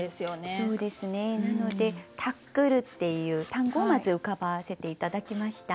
そうですねなので「タックル」っていう単語をまず浮かばせて頂きました。